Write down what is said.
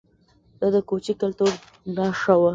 دا د کوچي کلتور نښه وه